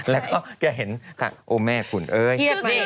แล้วก็จะเห็นโอ้แม่คุณเอ้ย